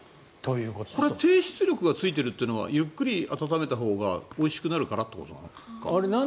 これは低出力がついているのはゆっくり温めたほうがおいしくなるからということなのかな。